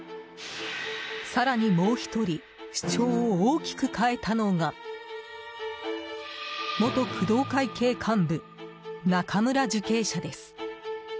更にもう１人主張を大きく変えたのが元工藤会系幹部中村受刑者です。